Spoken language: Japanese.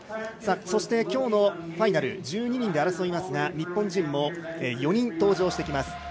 そして今日のファイナル１２人で争いますが日本人も４人登場します。